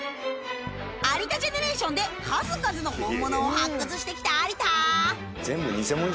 「有田ジェネレーション」で数々の本物を発掘してきた有田